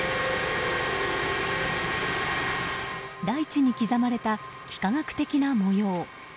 大地に刻まれた幾何学的な模様。